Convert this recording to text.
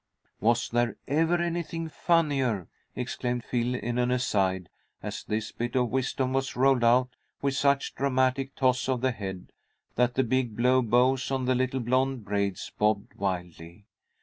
_'" "Was there ever anything funnier!" exclaimed Phil, in an aside, as this bit of wisdom was rolled out with such a dramatic toss of the head, that the big blue bows on the little blond braids bobbed wildly.